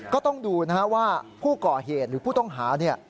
ก็ต้องดูนะฮะว่าผู้ก่อเหตุหรือผู้ต้องหา